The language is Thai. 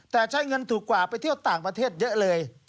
แต่ใช้เงินถูกกว่าไปเที่ยวต่างประเทศเยอะเลย